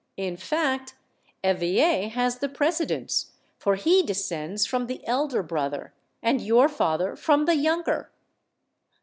In fact, Eveille has the precedence, for he descends from the elder brother, and your father from the younger."